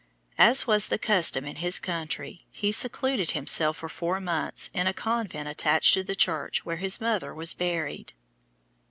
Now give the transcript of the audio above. As was the custom in his country, he secluded himself for four months in a convent attached to the church where his mother was buried.